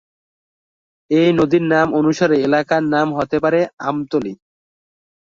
এ নদীর নাম অনুসারে এলাকার নাম হতে পারে আমতলী।